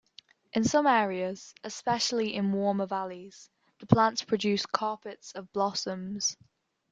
In some areas, especially in warmer valleys, the plants produce carpets of blossoms.